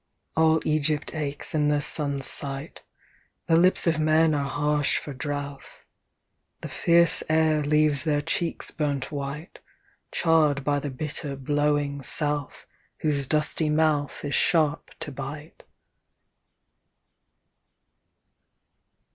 XIV All Egypt aches in the sun's sight; The lips of men are harsh for drouth, The fierce air leaves their cheeks burnt white, Charred by the bitter blowing south, Whose dusty mouth is sharp to bite.